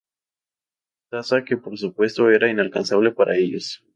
Tasa que por supuesto era inalcanzable para ellos.